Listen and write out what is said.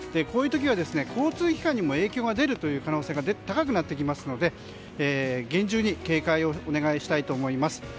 こういう時は交通機関にも影響が出る可能性が高くなってきますので厳重に警戒をお願いしたいと思います。